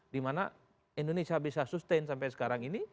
dimana indonesia bisa sustain sampai sekarang ini